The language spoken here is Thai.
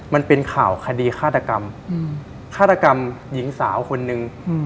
มันเป็นข่าวคดีฆาตกรรมฆาตกรรมหญิงสาวคนนึง